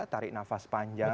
tarik nafas panjang